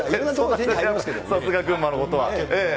さすが群馬のことは。